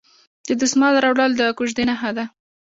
د دسمال راوړل د کوژدې نښه ده.